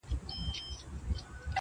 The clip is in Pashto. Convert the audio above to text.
پاچهي به هيچا نه كړل په كلونو٫